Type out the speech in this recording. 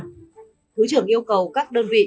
thứ trưởng yêu cầu các đơn vị